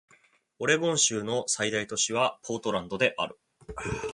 オレゴン州の最大都市はポートランドである